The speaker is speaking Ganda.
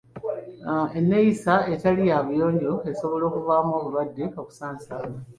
Eneeyisa etali ya buyonjo esobola okuvaamu obulwadde okusaasaana.